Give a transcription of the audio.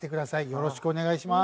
よろしくお願いします。